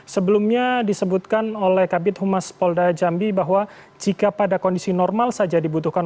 sebelumnya disebutkan oleh kabit humas polda jambi bahwa jika pada kondisi normal saja dibutuhkan